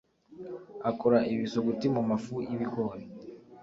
akora ibisuguti mu mafu y’ibigori